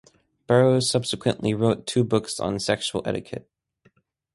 Barrows subsequently wrote two books on sexual etiquette.